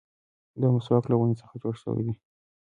دا مسواک له ونې څخه جوړ شوی دی.